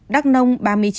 đắc nông ba mươi chín